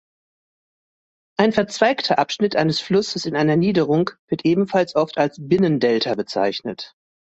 Ein verzweigter Abschnitt eines Flusses in einer Niederung wird ebenfalls oft als Binnendelta bezeichnet.